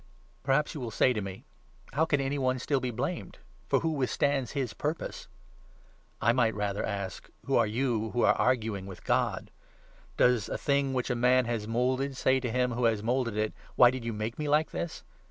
Perhaps you will say to me —' How can any one still be 19 blamed ? For who withstands his purpose ?' I might rather 20 ask ' Who are you who are arguing with God ?' Does a thing which a man has moulded say to him who has moulded it 'Why did you make me like this?'